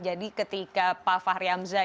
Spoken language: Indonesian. jadi ketika pak fahri hamzah